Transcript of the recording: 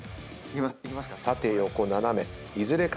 いきますか。